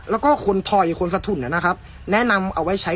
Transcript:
แล้วก็คนถอยคนสถุนนะครับแนะนำเอาไว้ใช้